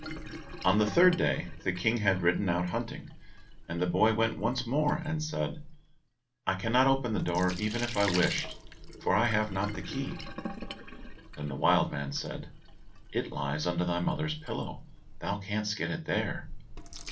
On the third day the King had ridden out hunting, and the boy went once more and said, "I cannot open the door even if I wished, for I have not the key." Then the wild man said, "It lies under thy mother's pillow, thou canst get it there."